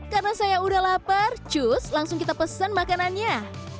karena saya udah lapar cus langsung kita pesan makanannya